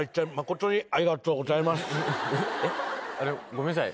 ごめんなさい。